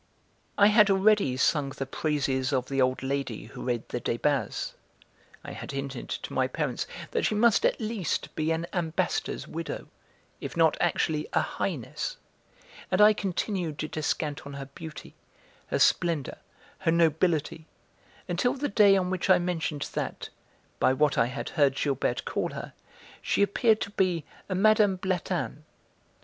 I had already sung the praises of the old lady who read the Débats (I had hinted to my parents that she must at least be an Ambassador's widow, if not actually a Highness) and I continued to descant on her beauty, her splendour, her nobility, until the day on which I mentioned that, by what I had heard Gilberte call her, she appeared to be a Mme. Blatin.